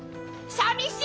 さみしい！